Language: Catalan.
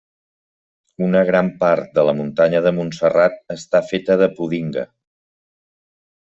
Una gran part de la muntanya de Montserrat està feta de pudinga.